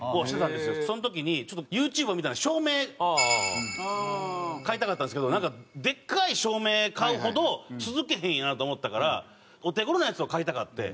その時にちょっとＹｏｕＴｕｂｅｒみたいな照明買いたかったんですけどなんかでっかい照明買うほど続けへんやろなと思ったからお手頃なやつを買いたかって。